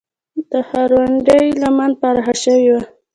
د ښارونډۍ لمن پراخه شوې وه